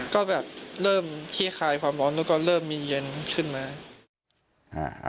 ก็แบบเริ่มขี้คลายความร้อนแล้วก็เริ่มมีเย็นขึ้นมา